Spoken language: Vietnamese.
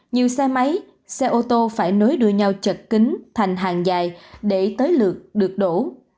nhiều xe máy xe ô tô phải nối đuôi nhau chật kính thành hàng dài để tới lượt được đổ